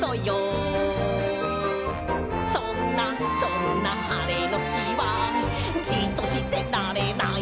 「そんなそんな晴れの日はじっとしてられない！」